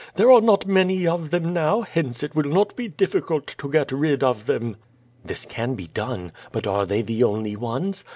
There are not many of them now, hence it will not be difficult to get rid of them." "This can be done. But are they the only ones?